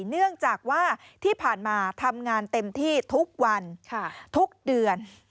เนื่องจากว่าที่ผ่านมาทำงานเต็มที่ทุกวันทุกเดือน